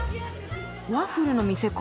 ワッフルの店か。